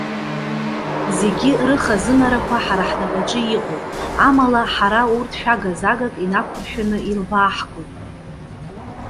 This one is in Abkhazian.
Зегьы рыхазынарақәа ҳара ҳнапаҿы иҟоуп. Амала ҳара урҭ шәага-загак инақәыршәаны илбааҳгоит.